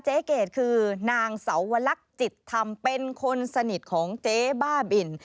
เกดคือนางสาวลักษณ์จิตธรรมเป็นคนสนิทของเจ๊บ้าบิน